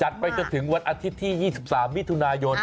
ไปจนถึงวันอาทิตย์ที่๒๓มิถุนายน